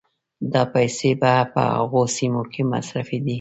دا پيسې به په هغو سيمو کې مصرفېدې